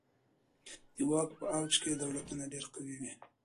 د واک په اوج کي دولتونه ډیر قوي وي.